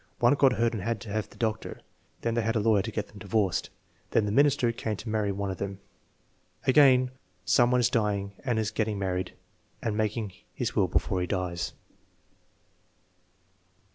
One got hurt and had to have the doctor, then they had a lawyer to get them divorced, then the minister came to 318 THE MEASUREMENT OF INTELLIGENCE marry one of them." Again, "Some one is dying and is getting married and making his will before he dies."